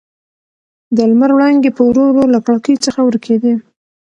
د لمر وړانګې په ورو ورو له کړکۍ څخه ورکېدې.